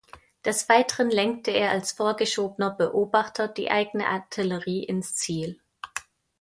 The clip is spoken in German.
Des Weiteren lenkte er als vorgeschobener Beobachter die eigene Artillerie ins Ziel.